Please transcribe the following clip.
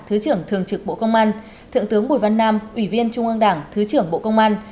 thứ trưởng thường trực bộ công an thượng tướng bùi văn nam ủy viên trung ương đảng thứ trưởng bộ công an